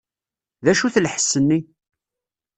D acu-t lḥess-nni?